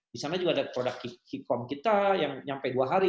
bisa juga ada produk qicom kita yang sampai dua hari